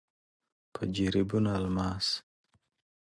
په جريبونو الماس.